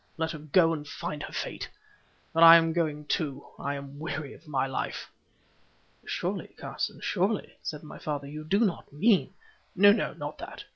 Let her go and find her fate. But I am going too. I am weary of my life." "Surely, Carson, surely," said my father, "you do not mean——" "No, no; not that.